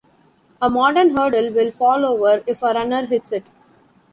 A modern hurdle will fall over if a runner hits it.